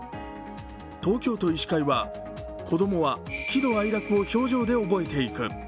東京都医師会は子供は喜怒哀楽を表情で覚えていく。